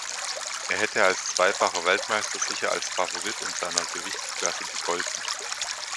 Er hätte als zweifacher Weltmeister sicher als Favorit in seiner Gewichtsklasse gegolten.